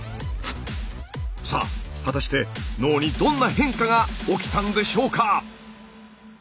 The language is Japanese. さあ果たして脳にどんな変化が起きたんでしょうか？